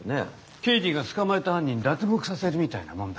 刑事が捕まえた犯人脱獄させるみたいなもんだ。